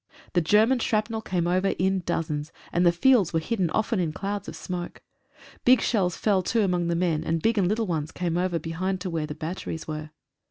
The Ger man shrapnel came over in dozens, and the fields were hidden often in clouds of smoke. Big shells fell too among the men, and big and little ones came over be hind to where the batteries were.